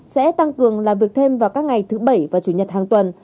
sẽ tăng cường làm việc thêm vào các ngày thứ bảy và chủ nhật hàng tuần